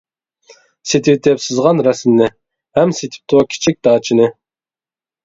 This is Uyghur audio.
سېتىۋېتىپ سىزغان رەسىمنى، ھەم سېتىپتۇ كىچىك داچىنى.